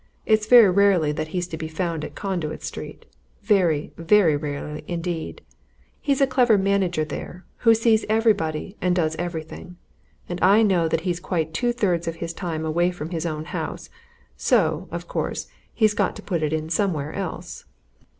It's very rarely that he's to be found at Conduit Street very, very rarely indeed he's a clever manager there, who sees everybody and does everything. And I know that he's quite two thirds of his time away from his own house so, of course, he's got to put it in somewhere else."